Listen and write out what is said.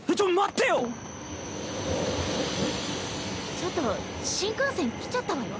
ちょっと新幹線来ちゃったわよ。